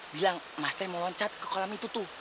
bilang mas te mau loncat ke kolam itu tuh